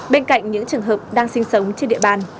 bên cạnh những trường hợp đang sinh sống trên địa bàn